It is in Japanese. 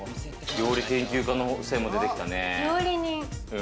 料理研究家の線も出てきたね。